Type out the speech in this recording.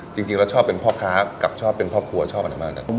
จริงแล้วชอบเป็นพ่อค้ากับชอบเป็นพ่อครัวชอบอะไรประมาณนั้น